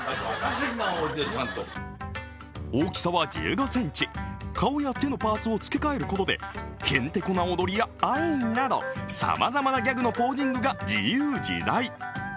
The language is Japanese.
大きさは１５ｃｍ、顔や手のパーツを付け替えることでヘンテコな踊りやアイーンなどさまざまなギャグのポージングが自由自在。